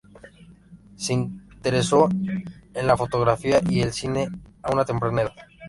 Se interesó en la fotografía y el cine a una edad temprana.